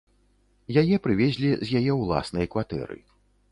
Яе прывезлі з яе ўласнай кватэры.